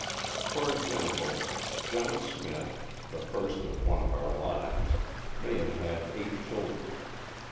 For example, John Smith, the first of one of our lines, may have had eight children.